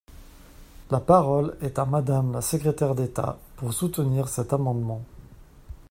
La parole est à Madame la secrétaire d’État, pour soutenir cet amendement.